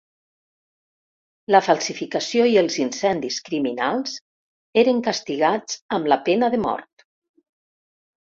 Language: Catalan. La falsificació i els incendis criminals eren castigats amb la pena de mort.